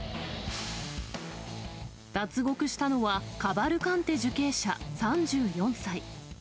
脱獄したのは、カバルカンテ受刑者３４歳。